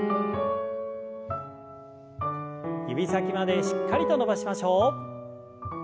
指先までしっかりと伸ばしましょう。